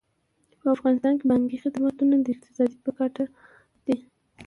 په افغانستان کې بانکي خدمتونه د اقتصاد په ګټه دي.